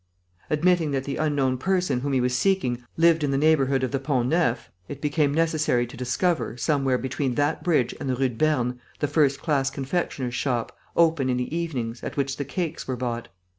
Admitting that the unknown person whom he was seeking lived in the neighbourhood of the Pont Neuf, it became necessary to discover, somewhere between that bridge and the Rue de Berne, the first class confectioner's shop, open in the evenings, at which the cakes were bought.